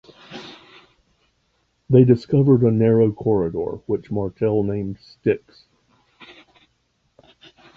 They discovered a narrow corridor which Martel named "Styx".